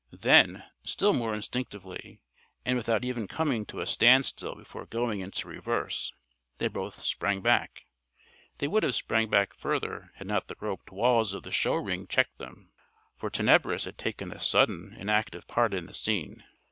Then, still more instinctively, and without even coming to a standstill before going into reverse, they both sprang back. They would have sprung further had not the roped walls of the show ring checked them. For Tenebris had taken a sudden and active part in the scene.